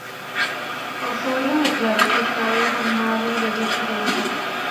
Osorio declaró que estaba informado de dicha reunión.